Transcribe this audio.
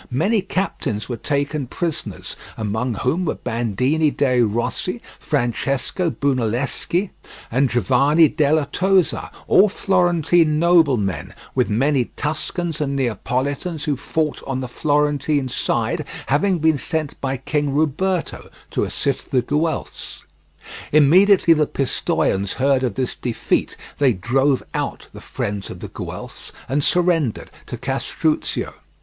Many captains were taken prisoners, among whom were Bandini dei Rossi, Francesco Brunelleschi, and Giovanni della Tosa, all Florentine noblemen, with many Tuscans and Neapolitans who fought on the Florentine side, having been sent by King Ruberto to assist the Guelphs. Immediately the Pistoians heard of this defeat they drove out the friends of the Guelphs, and surrendered to Castruccio.